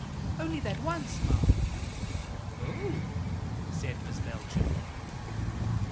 "Only that once, ma'am." "Oh!" said Miss Belcher.